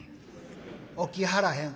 「起きはらへん」。